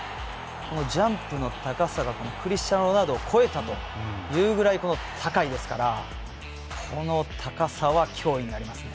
ジャンプの高さがクリスチアーノロナウドを超えたというぐらい高いですからこの高さは、脅威になりますね。